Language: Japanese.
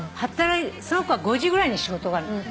その子は５時ぐらいに仕事が終わる。